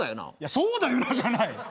「そうだよな」じゃない！